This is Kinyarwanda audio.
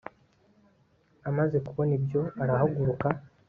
amaze kubona ibyo, arahaguruka